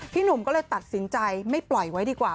หนุ่มก็เลยตัดสินใจไม่ปล่อยไว้ดีกว่า